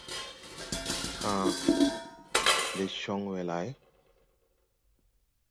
Ãã, ndɛ cɔŋ wɛ lay.